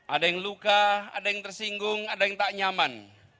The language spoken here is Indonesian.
ada yang luka ada yang tersinggung ada yang tak nyaman